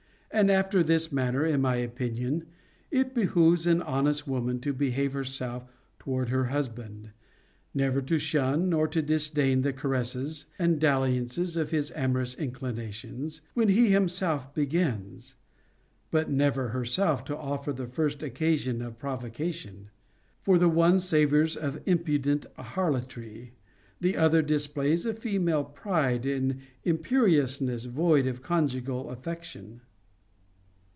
And after this manner, in my opinion, it behooves an honest woman to behave herself toward her husband, never to shun nor to disdain the caresses and dalliances of his amorous inclinations, when he himself begins ; but never herself to offer the first occasion of provocation. For the one savors of impudent harlotry, the other displays a fe male pride and imperiousness void of conjugal affection.